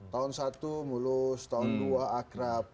tahun satu mulus tahun dua akrab